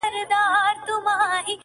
ځي تر اباسینه د کونړ د یکه زار څپې!!